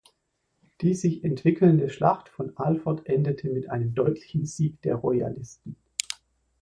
Die sich entwickelnde Schlacht von Alford endete mit einem deutlichen Sieg der Royalisten.